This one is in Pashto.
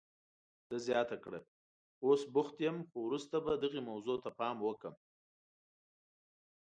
ده زیاته کړه، اوس بوخت یم، خو وروسته به دغې موضوع ته پام وکړم.